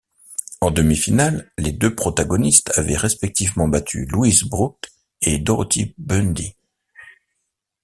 En demi-finale, les deux protagonistes avaient respectivement battu Louise Brough et Dorothy Bundy.